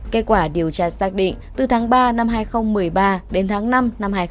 kết quả điều tra xác định từ tháng ba năm hai nghìn một mươi ba đến tháng năm năm hai nghìn hai mươi ba